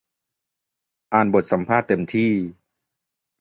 อ่านบทสัมภาษณ์เต็มที่